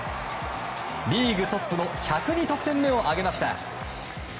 リーグトップの１０２得点目を挙げました。